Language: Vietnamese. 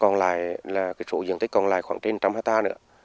còn lại là số diện tích còn lại khoảng trên một trăm linh hectare nữa